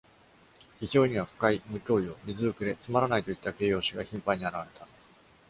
批評には、「不快」「無教養」「水ぶくれ」「つまらない」といった形容詞が頻繁に現れた。